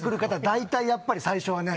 大体やっぱり最初はね